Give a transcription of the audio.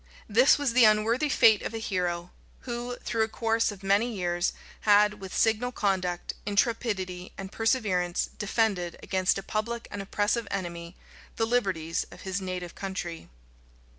This was the unworthy fate of a hero, who, through a course of many years, had, with signal conduct, intrepidity, and perseverance, defended, against a public and oppressive enemy, the liberties of his native country.